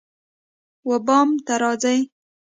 وبام ته راځی